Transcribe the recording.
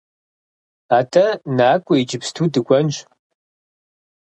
АтӀэ накӀуэ иджыпсту дыкӀуэнщ.